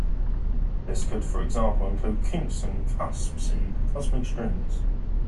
This could for example include kinks and cusps in cosmic strings.